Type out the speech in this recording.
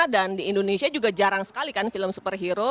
dan di indonesia juga jarang sekali kan film superhero